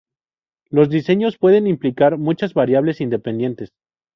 Los diseños pueden implicar muchas variables independientes.